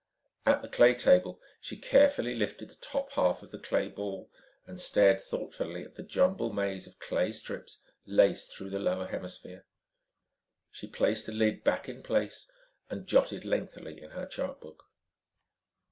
At the clay table, she carefully lifted the top half of the clay ball and stared thoughtfully at the jumbled maze of clay strips laced through the lower hemisphere. She placed the lid back in place and jotted lengthily in her chart book.